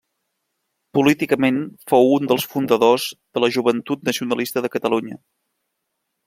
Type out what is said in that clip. Políticament fou un dels fundadors de la Joventut Nacionalista de Catalunya.